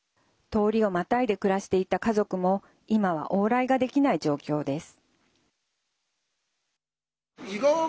通りをまたいで暮らしていた家族も今は往来ができない状況です。